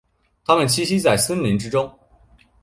它们栖息在森林之内。